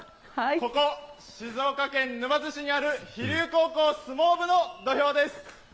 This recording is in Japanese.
ここ、静岡県沼津市にある飛龍高校相撲部の土俵です。